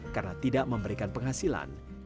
karena tidak memberikan penghasilan